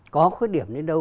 có khối điểm đến đâu